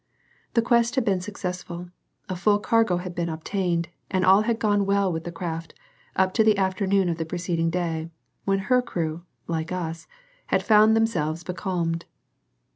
The quest had been successful, a full cargo had been obtained, and all had gone well with the craft up to the afternoon of the preceding day, when her crew, like us, had found themselves becalmed.